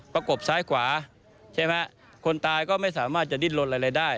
ประกบซ้ายขวาคนตายก็ไม่สามารถดิดรถอะไรได้